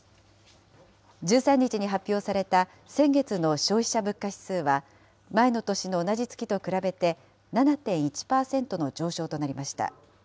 １３日に発表された先月の消費者物価指数は、前の年の同じ月と比べて、７．１％の上昇となりました。